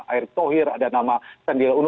air tohir ada nama sandiulul